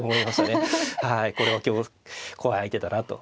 はいこれは今日怖い相手だなと。